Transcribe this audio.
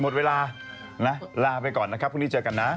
หมดเวลานะลาไปก่อนนะครับพรุ่งนี้เจอกันนะ